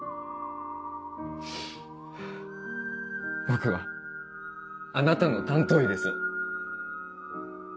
僕はあなたの担当医です。